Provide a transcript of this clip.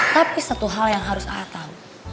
tapi satu hal yang harus atap